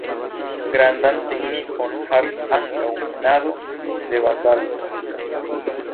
Grandan signifon havis ankaŭ minado de bazalto.